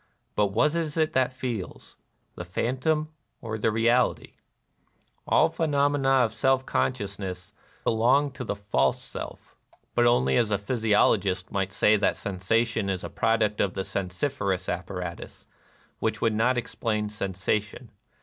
But what is it that feels ?— the phantom or the reality ? All phenomena of /SeZf consciousness belong to the false self, — but only as a physiologist might say that sensation is a product of the sensiferous apparatus, which would not ex plain sensation.